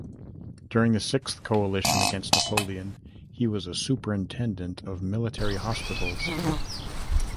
During the Sixth Coalition against Napoleon, he was a superintendent of military hospitals.